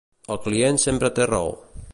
El client sempre té raó.